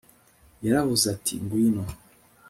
yaravuze ati ngwino